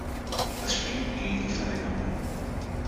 Das Spiel ging in die Verlängerung.